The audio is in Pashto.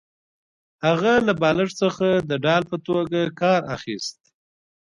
هغه له بالښت څخه د ډال په توګه کار اخیست